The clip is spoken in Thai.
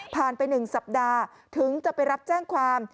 ไป๑สัปดาห์ถึงจะไปรับแจ้งความ